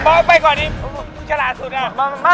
บ๊อบไปก่อนนี่มึงฉลาดสุดน่ะ